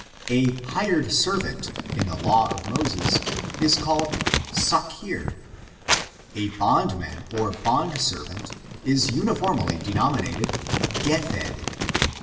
A hirtd servant^ in the law of Moses, ia called sacheer; a bondman, or bondservant, is uniformly denomiaated gehved.